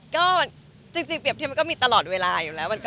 ก็จริงเปรียบเทียบมันก็มีตลอดเวลาอยู่แล้ว